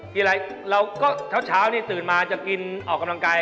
กินอะไรเราก็เช้าเสร็จมาจะกินออกกำลังกาย